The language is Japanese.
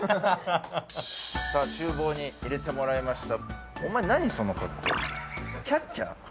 さあ、厨房に入れてもらいました。